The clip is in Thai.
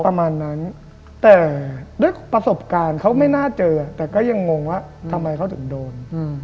ประมาณนั้นแต่ด้วยประสบการณ์เขาไม่น่าเจอแต่ก็ยังงงว่าทำไมเขาถึงโดน